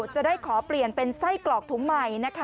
จะได้ขอเปลี่ยนเป็นไส้กรอกถุงใหม่นะคะ